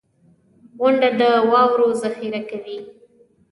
• غونډۍ د واورو ذخېره کوي.